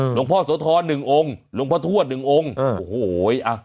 หลวงพ่อโสธรหนึ่งองค์หลวงพ่อทวดหนึ่งองค์โอ้โหอ่ะ